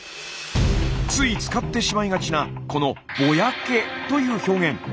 つい使ってしまいがちなこの「ぼやけ」という表現。